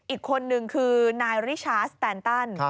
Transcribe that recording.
อีกคนนึงคือนายริชาสแตนตัน